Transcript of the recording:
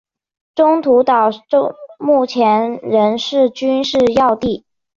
中途岛目前仍是军事要地。